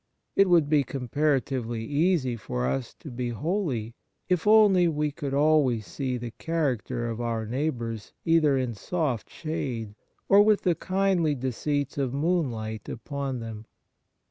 It would be comparatively easy for us to be holy if only we could always see the character of our neighbours either in soft shade or with the kindly deceits of moonlight upon them.